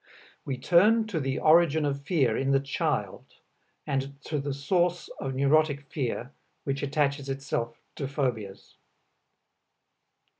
We turn to the origin of fear in the child, and to the source of neurotic fear which attaches itself to phobias.